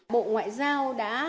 bộ ngoại giao đã